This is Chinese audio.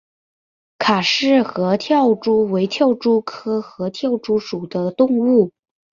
卡氏合跳蛛为跳蛛科合跳蛛属的动物。